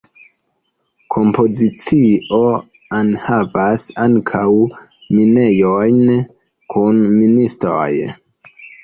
Kompozicio enhavas ankaŭ minejon kun ministoj.